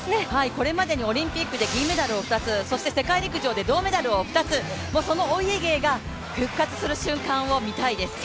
これまでにオリンピックで銀メダルを２つ、世界陸上で銅メダルを２つそのお家芸が復活する瞬間を見たいです。